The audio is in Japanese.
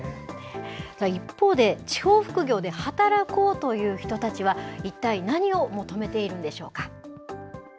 一方で、地方副業で働こうという人たちは、一体何を求めているんでしょうか。